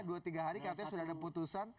dua tiga hari katanya sudah ada putusan